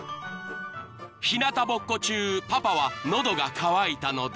［日なたぼっこ中パパは喉が渇いたので］